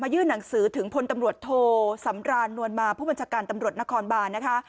ยื่นหนังสือถึงพลตำรวจโทสำรานนวลมาผู้บัญชาการตำรวจนครบานนะคะ